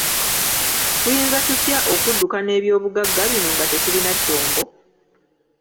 Tuyinza tutya okudduka n'eby'obugagga bino nga tetulina kyombo?